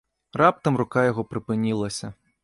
Раптам рука яго прыпынілася.